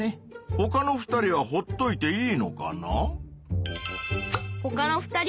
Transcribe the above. ほかの２人はほっといていいのかな？